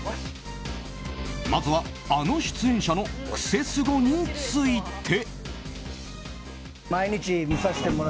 まずは、あの出演者のクセスゴについて。